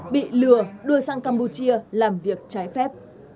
bị lừa đưa sang campuchia làm việc trái phép